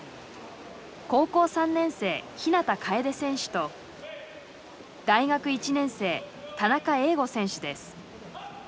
高校３年生日向楓選手と大学１年生田中映伍選手です。